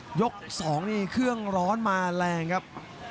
ยก๒นี่เครื่องร้อนมาแรงครับ